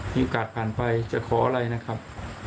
โอกาสผ่านไปจะขออะไรนะครับ